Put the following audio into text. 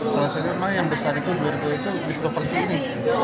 sebenarnya yang besar itu berdua dua itu di properti ini